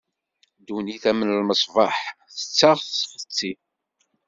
Ddunit am lmesbeḥ, tettaɣ, txessi.